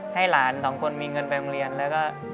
ให้หลานสองคนมีเงินไปโรงเรียนแล้วก็